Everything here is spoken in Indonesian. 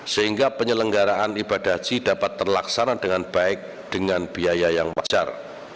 sehingga penyelenggaraan ibadah haji dapat terlaksana dengan baik dengan biaya yang wajar